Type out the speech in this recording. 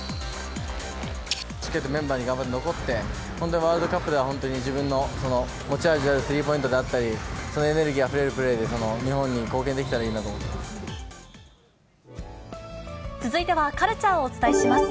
しっかりメンバーに残って、それでワールドカップでは、本当に自分の持ち味であるスリーポイントであったり、エネルギーあふれるプレーで、日本に貢献で続いてはカルチャーをお伝えします。